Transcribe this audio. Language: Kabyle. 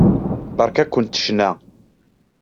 Beṛka-kent ccna.